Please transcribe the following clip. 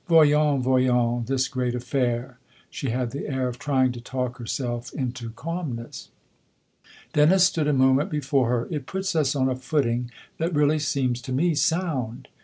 Voyons, voyons this great affair!" she had the air of trying to talk herself nto calmness. Dennis stood a moment before her. " It puts us on a footing that really seems to me sound."